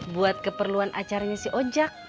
buat keperluan acaranya si oja